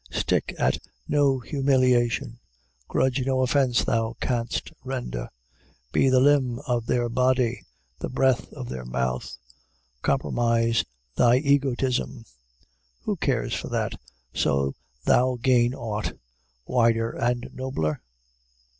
Stick at no humiliation. Grudge no office thou canst render. Be the limb of their body, the breath of their mouth. Compromise thy egotism. Who cares for that, so thou gain aught wider and nobler?